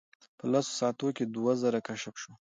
په لسو ساعتونو کې دوه زره کشف شول.